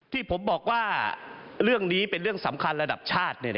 ที่ผมบอกว่าเรื่องนี้เป็นเรื่องสำคัญระดับชาติ